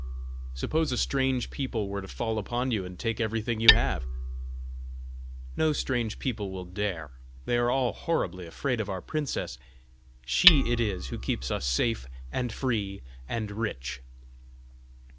"Suppose a strange people were to fall upon you, and take everything you have!" "No strange people will dare; they are all horribly afraid of our princess. She it is who keeps us safe and free and rich!"